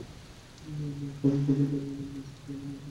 আপনার পরামর্শদাতা, জনাব নাসার, দাবি করেছেন তিনি এই বছর ট্রফি জিতবেন।